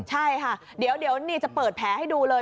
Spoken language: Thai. ใช่ค่ะเดี๋ยวนี่จะเปิดแผลให้ดูเลย